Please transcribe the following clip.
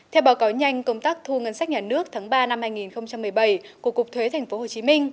theo báo cáo nhanh công tác thu ngân sách nhà nước tháng ba năm hai nghìn một mươi bảy của cục thuế tp hcm